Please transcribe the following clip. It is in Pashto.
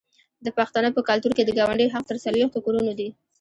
د پښتنو په کلتور کې د ګاونډي حق تر څلوېښتو کورونو دی.